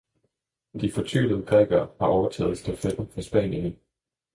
De fortvivlede grækere har overtaget stafetten fra spanierne.